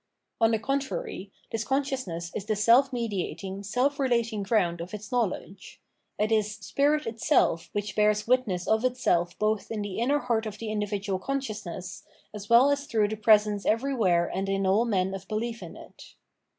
On the contrary, this consciousness is the self mediating, self relating ground of its know ledge ; it is spirit itself which bears witness of itself both in the inner heart of the individual consciousness, as well as through the presence everywhere and in all men of belief in it.